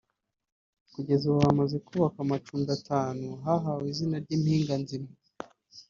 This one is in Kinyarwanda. Kugeza ubu hamaze kubakwa amacumbi atanu yahawe izina ry’Impinganzima